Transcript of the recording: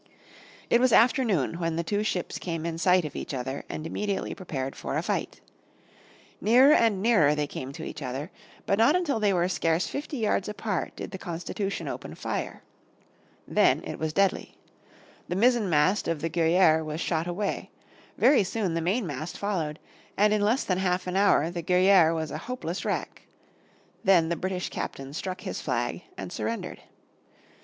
It was afternoon when the two ships came in sight of each other, and immediately prepared for a fight. Nearer and nearer they came to each other, but not until they were scarce fifty yards apart did the Constitution open fire. Then it was deadly. The mizzen mast of the Guerriere was shot away; very soon the main mast followed, and in less than half an hour the Guerriere was a hopeless wreck. Then the British captain struck his flag and surrendered.